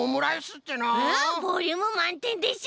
ボリュームまんてんでしょ！